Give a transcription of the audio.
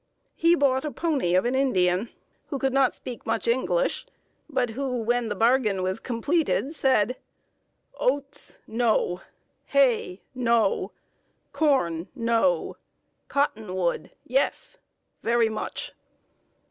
He bought a pony of an Indian, who could not speak much English, but who, when the bargain was completed, said: 'Oats no! Hay no! Corn no! Cottonwood yes! very much!'